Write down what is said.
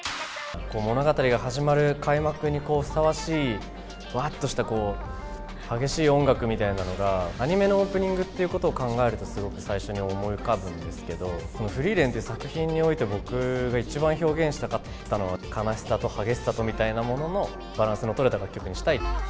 物語が始まる開幕にふさわしい、わあ！とした激しい音楽みたいなのが、アニメのオープニングっていうことを考えると、すごく最初に思い浮かぶんですけど、フリーレンっていう作品において、僕が一番表現したかったのは、悲しさと激しさとみたいなもののバランスの取れた楽曲にしたい。